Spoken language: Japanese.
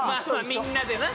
みんなでな